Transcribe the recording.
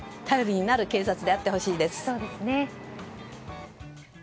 頼りになる警察であってほしいです。